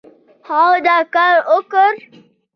هغه دا کار وکړ.